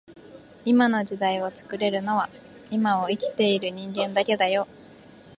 今の時代を作れるのは今を生きている人間だけだよ